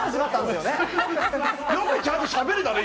よくちゃんとしゃべれたね。